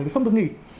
để không được nghỉ